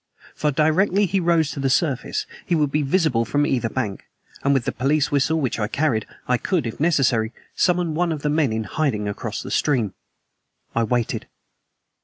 For directly he rose to the surface he would be visible from either bank, and with the police whistle which I carried I could, if necessary, summon one of the men in hiding across the stream. I waited.